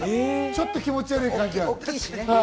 ちょっと気持ち悪い感じ。